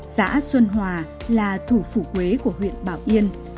xã xuân hòa là thủ phủ quế của huyện bảo yên